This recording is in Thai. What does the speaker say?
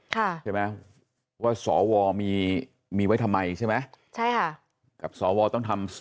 ใช่ไหมว่าสวมีมีไว้ทำไมใช่ไหมใช่ค่ะกับสวต้องทำ